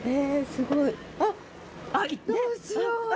すごい。